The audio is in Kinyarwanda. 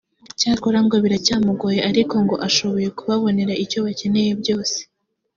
cyakora ngo biracyamugoye ariko ngo ashoboye kubabonera icyo bakeneye byose